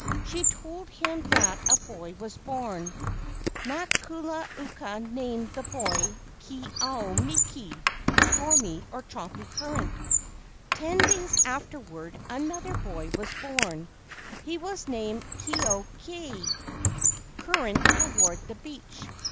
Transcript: She told him that a boy was born. Nakula uka named that boy Ke au miki (stormy or choppy current). Ten KE AU NIN1 165 days afterward another boy was born. He was named Ke au kai (current toward the beach).